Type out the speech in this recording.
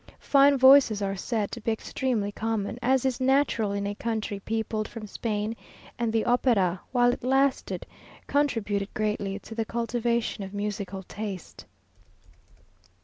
Fine voices are said to be extremely common, as is natural in a country peopled from Spain; and the opera, while it lasted, contributed greatly to the cultivation of musical taste.